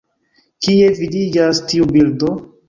Kie vidiĝas tiu bildo?